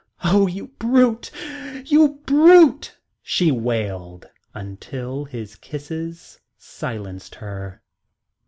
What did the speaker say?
"Oh, you brute! You brute!" she wailed, until his kisses silenced her.